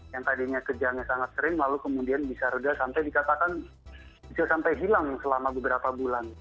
yang tadinya kejangnya sangat sering lalu kemudian bisa reda sampai dikatakan bisa sampai hilang selama beberapa bulan